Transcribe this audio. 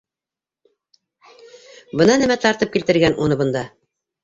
Бына нәмә тартып килтергән уны бында!